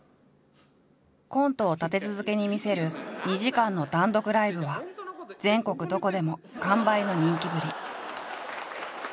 コントを立て続けに見せる２時間の単独ライブは全国どこでも完売の人気ぶり。